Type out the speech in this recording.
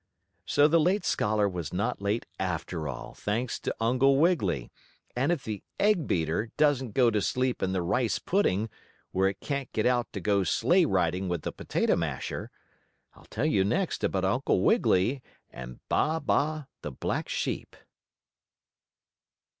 So the late scholar was not late after all, thanks to Uncle Wiggily, and if the egg beater doesn't go to sleep in the rice pudding, where it can't get out to go sleigh riding with the potato masher, I'll tell you next about Uncle Wiggily and Baa Baa, the black sheep.